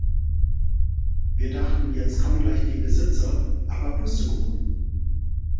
Wir dachten jetzt kommen gleich die Besitzer, aber Pustekuchen.